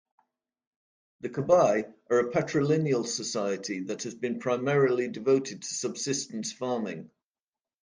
The Kabye are a patrilineal society that has been primarily devoted to subsistence farming.